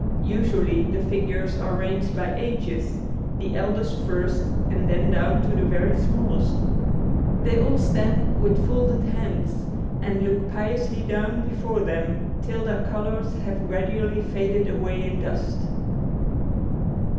Usually the figures are ranged by ages, the eldest first and then down to the very smallest. They all stand with folded hands, and look piously down before them, till their colors have gradually faded away in dust.